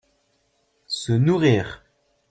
Se nourrir.